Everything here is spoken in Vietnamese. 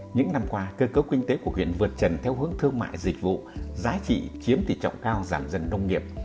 những năm qua cơ cấu kinh tế của huyện vượt trần theo hướng thương mại dịch vụ giá trị chiếm tỷ trọng cao giảm dần nông nghiệp